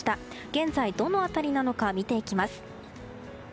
現在、どの辺りなのか見ていきます。